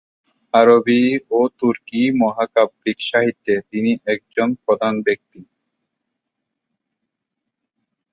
আরবি ও তুর্কি মহাকাব্যিক সাহিত্যে তিনি একজন প্রধান ব্যক্তি।